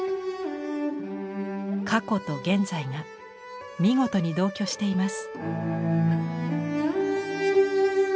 過去と現在が見事に同居しています。